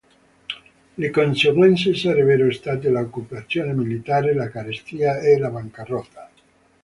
Le conseguenze sarebbero state l'occupazione militare, la carestia e la bancarotta.